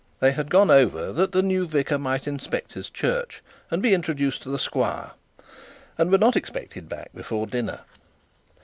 They had gone over that the new vicar might inspect his church, and be introduced to the squire, and were not expected back before dinner.